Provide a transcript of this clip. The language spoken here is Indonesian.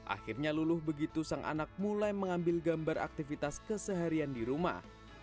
akhirnya luluh begitu sang anak mulai mengambil gambar aktivitas keseharian di rumah